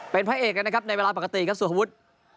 เป็นพระเอกกันนะครับในเวลาปกติครับสุภวุฒิ